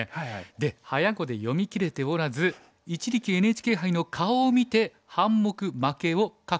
で早碁で読みきれておらず一力ＮＨＫ杯の顔を見て半目負けを確信したそうです。